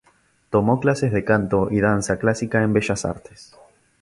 Tomó clases de canto y danza clásica en Bellas Artes.